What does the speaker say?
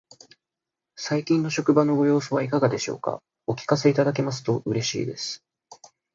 最近の職場のご様子はいかがでしょうか。お聞かせいただけますと嬉しいです。